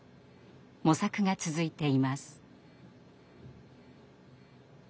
模索が続いています。